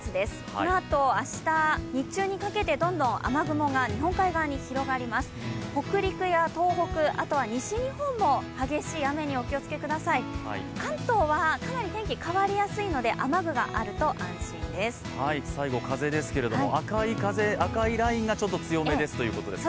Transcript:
このあと明日、日中にかけて雨雲が日本海側に広がります、北陸や東北、あとは西日本も激しい雨にお気をつけください、関東はかなり天気変わりやすいので最後に風ですけど、赤いラインがちょっと強めということですか？